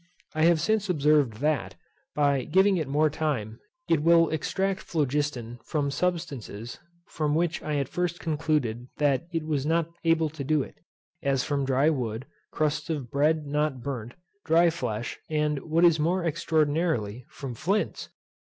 I have since observed that, by giving it more time, it will extract phlogiston from substances from which I at first concluded that it was not able to do it, as from dry wood, crusts of bread not burnt, dry flesh, and what is more extraordinary from flints.